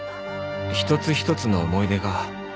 一つ一つの思い出が